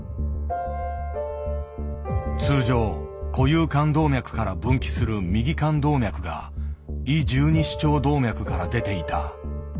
通常固有肝動脈から分岐する右肝動脈が胃十二指腸動脈から出ていた。